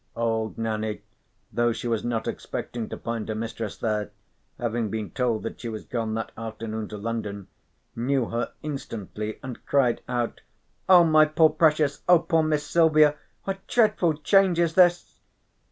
Old Nanny, though she was not expecting to find her mistress there, having been told that she was gone that afternoon to London, knew her instantly, and cried out: "Oh, my poor precious! Oh, poor Miss Silvia! What dreadful change is this?"